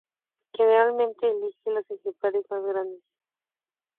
Generalmente elige los ejemplares más grandes.